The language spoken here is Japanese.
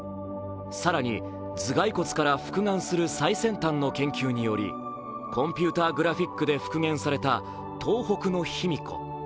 更に、頭蓋骨から復顔する最先端の研究によりコンピューターグラフィックで復元された東北の卑弥呼。